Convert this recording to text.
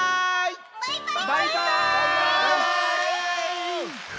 バイバーイ！